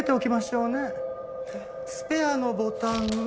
スペアのボタンは。